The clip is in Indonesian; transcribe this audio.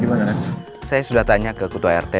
gimana ed saya sudah tanya ke kutu art